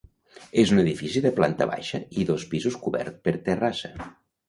És un edifici de planta baixa i dos pisos cobert per terrassa.